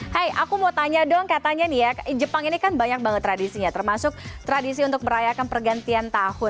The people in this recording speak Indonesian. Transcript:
hai aku mau tanya dong katanya nih ya jepang ini kan banyak banget tradisinya termasuk tradisi untuk merayakan pergantian tahun